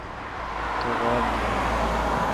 تو غاب بیون۔